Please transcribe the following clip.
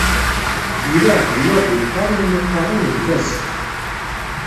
Yuli Ԑebdennur deg lkaṛ iwmi qqaren “Lbaz”.